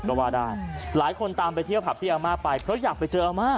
ก็ว่าได้หลายคนตามไปเที่ยวผับที่อาม่าไปเพราะอยากไปเจออาม่า